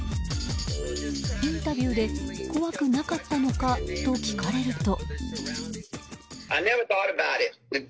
インタビューで怖くなかったのかと聞かれると。